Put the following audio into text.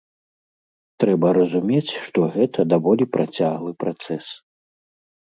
Трэба разумець, што гэта даволі працяглы працэс.